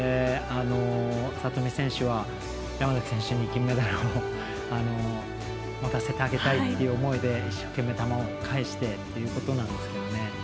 里見選手は山崎に金メダルを持たせてあげたいっていう思いで一生懸命、球を返してってことなんですけどね。